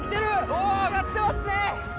おぉ上がってますね！